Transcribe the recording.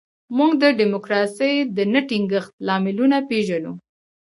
موږ د ډیموکراسۍ د نه ټینګښت لاملونه پېژنو.